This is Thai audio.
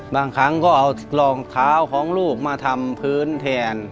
บางครั้งก็เอารองเท้าของลูกมาทำพื้นแทน